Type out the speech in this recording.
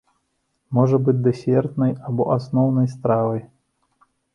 Можа быць дэсертнай або асноўнай стравай.